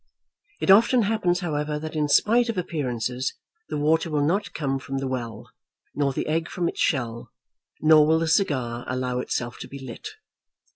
It often happens, however, that in spite of appearances, the water will not come from the well, nor the egg from its shell, nor will the cigar allow itself to be lit.